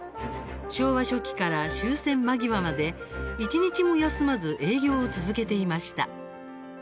昭和初期から終戦間際まで一日も休まず営業を続けていました。